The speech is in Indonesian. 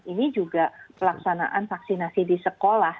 ini juga pelaksanaan vaksinasi di sekolah